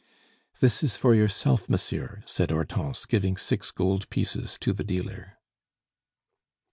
"This is for yourself, monsieur," said Hortense, giving six gold pieces to the dealer.